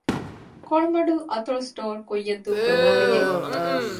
ކޮޅުމަޑުލު އަތޮޅު ސްޓޯރ ކުއްޔަށް ދޫކުރުމާބެހޭ